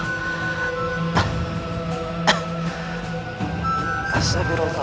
gis gerade pindah